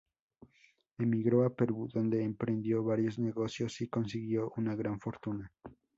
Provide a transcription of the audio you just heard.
Emigró a Perú, donde emprendió varios negocios y consiguió una gran fortuna.